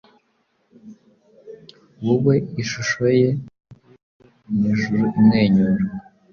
Wowe ishusho ye. Isura yo mwijuru imwenyura,